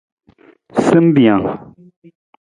Simbijang.